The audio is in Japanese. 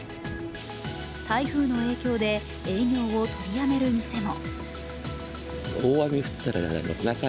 台風の影響で営業を取りやめる店も。